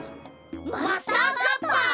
マスターカッパー！？